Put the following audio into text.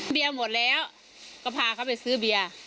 เบียร์หมดแล้วก็พาเค้าไปซื้อเบียร์